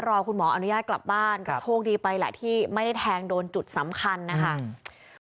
คุณหมออนุญาตกลับบ้านก็โชคดีไปแหละที่ไม่ได้แทงโดนจุดสำคัญนะคะ